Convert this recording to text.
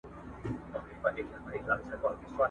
پکښي پراته دي په زړو ویشتلي ..